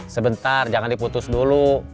sebentar jangan diputus dulu